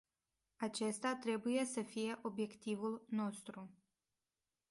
Acesta trebuie să fie obiectivul nostru.